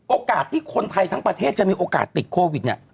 โอกาสที่คนไทยทั้งประเทศจะมีโอกาสติดโควิดเนี่ย